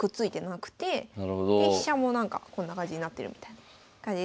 で飛車もこんな感じになってるみたいな感じですね。